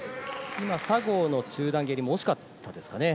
今、佐合の中段蹴りも惜しかったですかね。